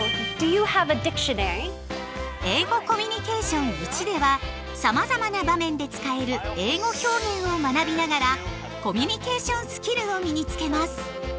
「英語コミュニケーションⅠ」ではさまざまな場面で使える英語表現を学びながらコミュニケーションスキルを身につけます！